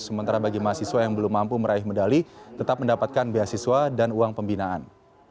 sementara bagi mahasiswa yang belum mampu meraih medali tetap mendapatkan beasiswa dan uang pembinaan